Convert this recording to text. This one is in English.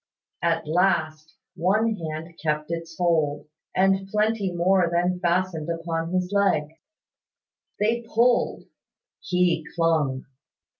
At last, one hand kept its hold, and plenty more then fastened upon his leg. They pulled: he clung.